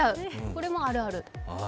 これもあるある。